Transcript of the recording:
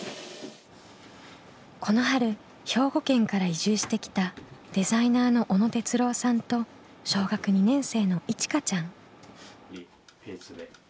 この春兵庫県から移住してきたデザイナーの小野哲郎さんと小学２年生のいちかちゃん。